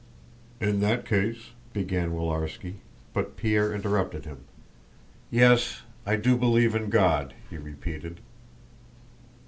"In that case..." began Willarski, but Pierre interrupted him. "Yes, I do believe in God," he repeated.